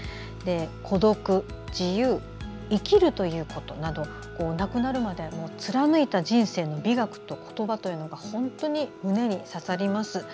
孤独、自由生きるということなど亡くなるまで貫いた人生の美学と言葉というのが本当に胸に刺さります。